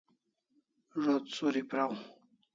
Zo't Suri praw